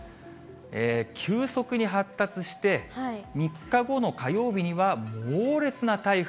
急速に発達して、３日後の火曜日には、猛烈な台風。